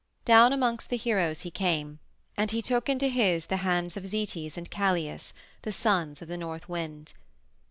Down amongst the heroes he came and he took into his the hands of Zetes and Calais, the sons of the North Wind.